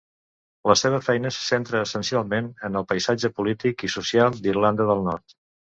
La seva feina se centra essencialment en el paisatge polític i social d’Irlanda del Nord.